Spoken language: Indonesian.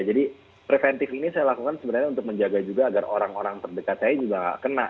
jadi preventif ini saya lakukan sebenarnya untuk menjaga juga agar orang orang terdekat saya juga tidak kena